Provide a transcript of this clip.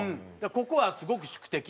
ここはすごく宿敵。